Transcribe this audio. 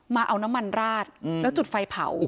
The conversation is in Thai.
มาเอาน้ำมันราดแล้วจุดไฟเผา